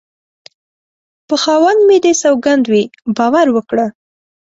په خاوند مې دې سوگند وي باور وکړه